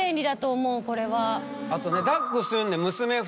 あとね。